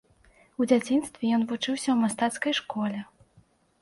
У дзяцінстве ён вучыўся ў мастацкай школе.